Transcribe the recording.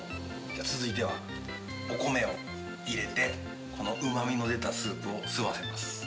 じゃあ続いてはお米を入れてこのうまみの出たスープを吸わせます。